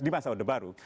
di masa odeh baru